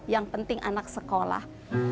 yang penting anak sekolah